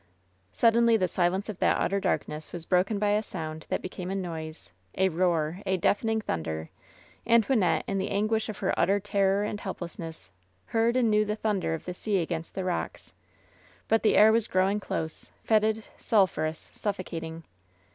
Suddenly the silence of that utter darkness was broken by a soimd that became a noise, a roar, a deafen ing thunder, and Wynnette, in the anguish of her utter 870 LOVE'S BITTEREST CUP terror and helplessness, heard and knew the thunder of the sea against the rocks. But the air was growing close^ fetid, sulphurous, suffocating.